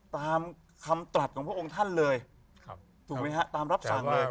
ตามคำตรัสของพระองค์ท่านเลยถูกไหมฮะตามรับสั่งเลย